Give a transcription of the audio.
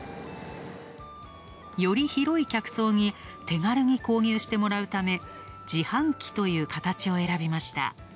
より広い客層に手軽に購入してもらうため、自販機という形を選びました。